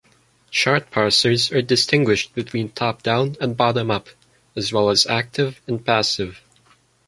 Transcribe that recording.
Chart parsers are distinguished between top-down and bottom-up, as well as active and passive.